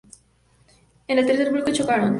En el tercer bucle, chocaron.